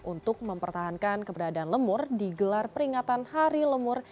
untuk mempertahankan keberadaan lemur digelar peringatan hari lemur